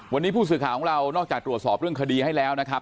วันนี้ผู้สื่อข่าวของเรานอกจากตรวจสอบเรื่องคดีให้แล้วนะครับ